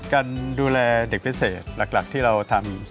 การดูแลเด็กพิเศษหลักที่เราทำ